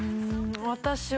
私は。